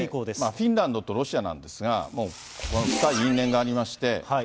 フィンランドとロシアなんですが、もう深い因縁がありまして。